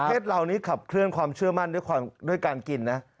เรานี้ขับเคลื่อนความเชื่อมั่นด้วยการกินนะ